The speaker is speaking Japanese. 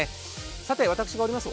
さて私がおります